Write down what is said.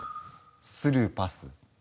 スルーパス？